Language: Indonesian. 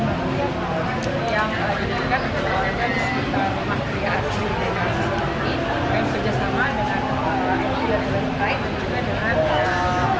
ini berkaitan dengan kerjasama dengan kepala ijr dan juga dengan kepala kepala kepala kepala